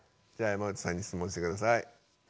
じゃあ山内さんに質問してください。